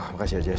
makasih ya jess